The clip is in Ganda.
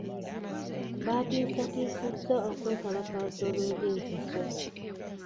Baatiisatiisizza okwekalakaasa olw'eby'ensasula.